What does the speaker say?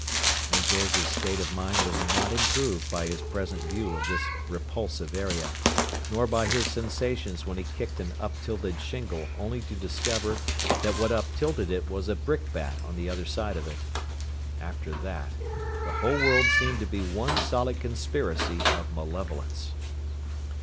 And George's state of mind was not improved by his present view of this repulsive area, nor by his sensations when he kicked an uptilted shingle only to discover that what uptilted it was a brickbat on the other side of it. After that, the whole world seemed to be one solid conspiracy of malevolence.